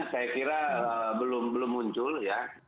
saya kira belum muncul ya